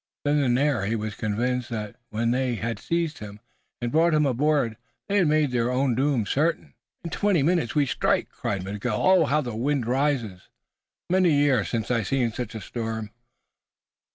Then and there he was convinced that when they had seized him and brought him aboard they had made their own doom certain. "In twenty minutes, we strike!" cried Miguel. "Ah, how the wind rise! Many a year since I see such a storm!"